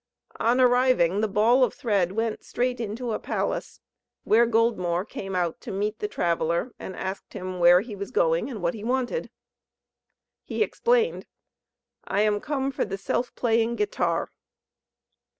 On arriving the ball of thread went straight into a palace, where Goldmore came out to meet the traveller, and asked him where he was going and what he wanted. He explained: "I am come for the Self playing Guitar."